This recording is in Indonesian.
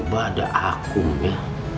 coba ada akunnya